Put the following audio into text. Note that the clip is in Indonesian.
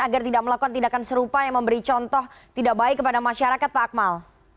agar tidak melakukan tindakan serupa yang memberi contoh tidak baik kepada masyarakat pak akmal